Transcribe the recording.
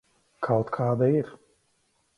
Kaut kāda ir.